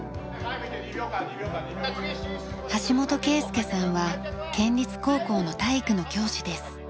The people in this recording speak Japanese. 橋本圭介さんは県立高校の体育の教師です。